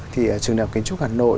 thì trường đào kiến trúc hà nội